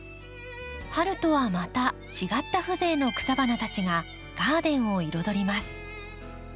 春とはまた違った風情の草花たちがガーデンを彩ります。